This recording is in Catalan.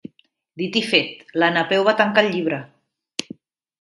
Dit i fet, la Napeu va tancar el llibre.